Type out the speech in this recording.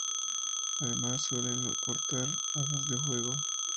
Además, suelen no portar armas de fuego.